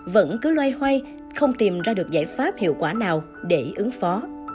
vẫn cứ loay hoay không tìm ra được giải pháp hiệu quả nào để ứng phó